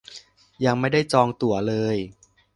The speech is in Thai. ยังไม่ได้จองตั๋วเลย